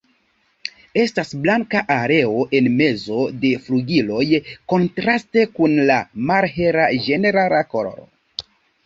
Estas blanka areo en mezo de flugiloj kontraste kun la malhela ĝenerala koloro.